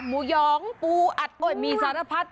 หยองปูอัดโป้ยมีสารพัด